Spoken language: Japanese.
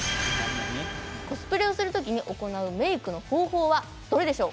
コスプレをするときに行うメイクの方法はどれでしょう？